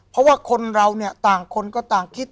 เพราะว่าคนเราเนี่ยต่างคนก็ต่างคิด